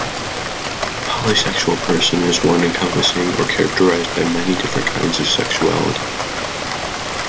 A polysexual person is one encompassing or characterized by many different kinds of sexuality.